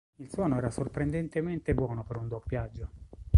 Il suono era sorprendentemente buono per un doppiaggio.